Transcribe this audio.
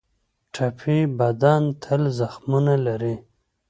ټپي بدن تل زخمونه لري.